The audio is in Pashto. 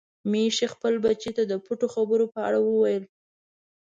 ميښې خپل بچي ته د پټو خبرو په اړه ویل.